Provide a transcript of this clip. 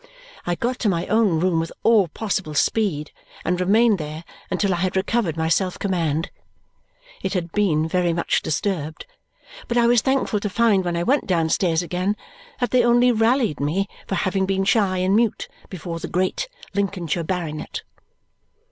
I got to my own room with all possible speed and remained there until I had recovered my self command. It had been very much disturbed, but I was thankful to find when I went downstairs again that they only rallied me for having been shy and mute before the great Lincolnshire baronet.